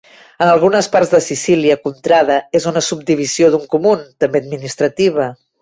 En algunes parts de Sicília, "contrada" és una subdivisió d'un Comune, també administrativa.